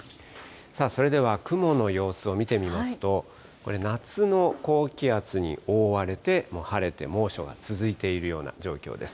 それでは、雲の様子を見てみますと、これ、夏の高気圧に覆われて、晴れて猛暑が続いているような状況です。